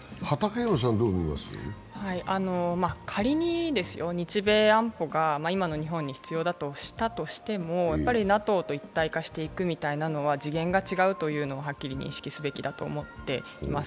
仮に日米安保が今の日本に必要だとしてもＮＡＴＯと一体化していくみたいなことは次元が違うというのをはっきり認識していくべきだと思います。